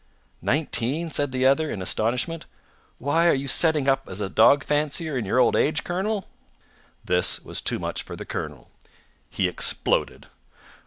"Nineteen?" said the other, in astonishment. "Why, are you setting up as a dog fancier in your old age, colonel?" This was too much for the colonel. He exploded.